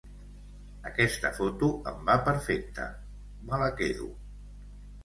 Aquesta foto em va perfecte; me la quedo.